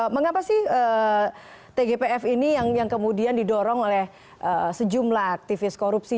mengapa sih tgpf ini yang kemudian didorong oleh sejumlah aktivis korupsi